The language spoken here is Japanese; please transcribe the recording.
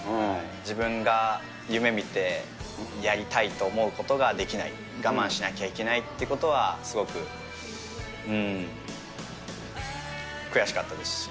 自分が夢みてやりたいと思うことができない、我慢しなきゃいけないってことは、すごく悔しかったですし。